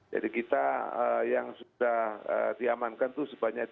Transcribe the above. jadi kita yang sudah diamankan itu sebanyak tiga puluh lima